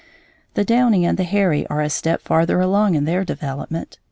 The downy and the hairy are a step farther along in their development.